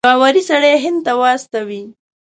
باوري سړی هند ته واستوي.